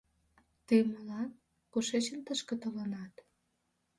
Тый молан, кушечын тышке толынат?